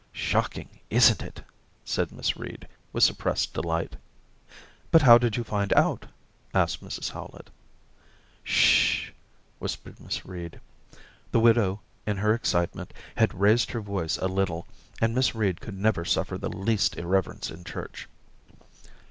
/' Shocking ! isn't it ?' said Miss Reed, with suppressed delight. * But how did you find out }* asked Mrs Howlett. ' Ssh !' whispered Miss Reed — the widow, in her excitement, had raised her voice a little and Miss Reed could never suffer the least irreverence in church.